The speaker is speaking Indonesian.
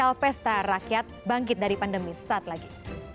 dan kembali lagi special pesta rakyat bangkit dari pandemi saat lagi